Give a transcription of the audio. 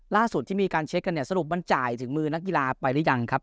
ล่าสุดที่มีการเช็คกันเนี่ยสรุปมันจ่ายถึงมือนักกีฬาไปหรือยังครับ